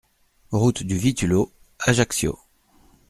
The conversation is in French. Route du Vittulo, Ajaccio